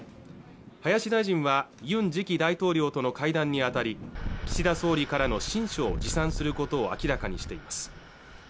林大臣は４０期大統領との会談にあたり岸田総理からの親書を持参することを明らかにしています